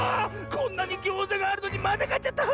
こんなにギョーザがあるのにまたかっちゃった！